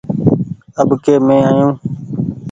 اٻڪي مين آيو ۔